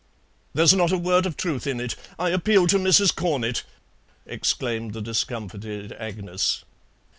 "There's not a word of truth in it! I appeal to Mrs. Cornett " exclaimed the discomfited Agnes.